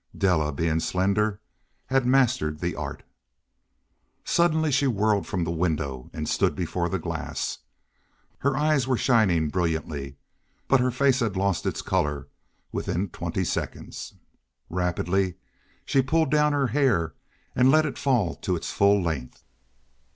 Della, being slender, had mastered the art. Suddenly she whirled from the window and stood before the glass. Her eyes were shining brilliantly, but her face had lost its colour within twenty seconds. Rapidly she pulled down her hair and let it fall to its full length.